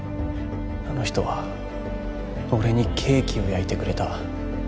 あの人は俺にケーキを焼いてくれた。